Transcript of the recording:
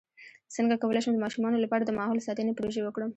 څنګه کولی شم د ماشومانو لپاره د ماحول ساتنې پروژې وکړم